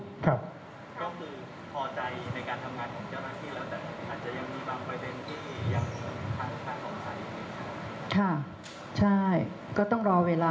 ก็คือพอใจในการทำงานของเจ้าหน้าที่แล้ว